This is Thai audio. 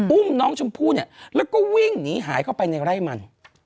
อุ้มน้องชมพู่เนี่ยแล้วก็วิ่งหนีหายเข้าไปในไร่มัน